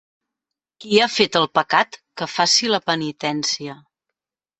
Qui ha fet el pecat, que faci la penitència.